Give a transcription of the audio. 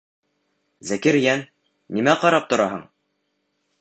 Зәкирйән, нимә ҡарап тораһың?